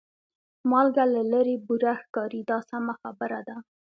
مالګه له لرې بوره ښکاري دا سمه خبره ده.